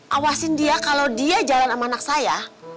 awasin dia kalau dia jalan sama anak saya